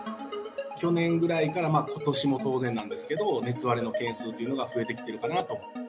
去年ぐらいから、ことしも当然なんですけど、熱割れのケースというのが増えてきてるかなと。